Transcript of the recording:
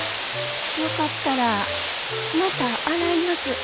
よかったらまた洗います。